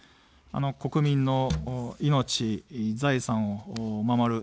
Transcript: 国民の命、財産を守る。